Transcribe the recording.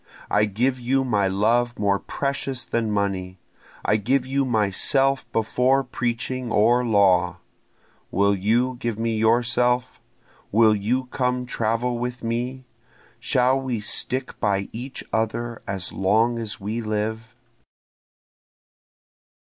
I give you my love more precious than money, I give you myself before preaching or law; Will you give me yourself? will you come travel with me? Shall we stick by each other as long as we live?